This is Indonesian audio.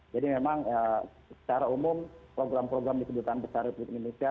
jadi memang secara umum program program disebutan besar di indonesia